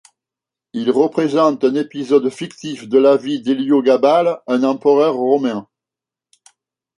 Il représente un épisode fictif de la vie d'Héliogabale, un empereur romain.